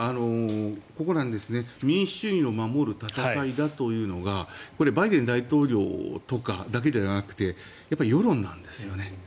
民主主義を守る戦いなんだということはこれはバイデン大統領とかだけではなくて世論なんですよね。